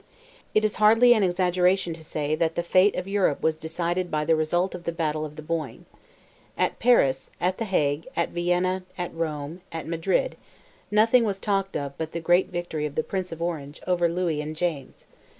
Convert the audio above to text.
It is hardly an exaggeration to say, that the fate of Europe was decided by the result of the battle of the Boyne. At Paris, at the Hague, at Vienna, at Rome, at Madrid, nothing was talked of but the great victory of the Prince of Orange over Louis and James.